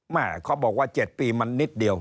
เขาบอกว่า๗ปีมันนิดเดียว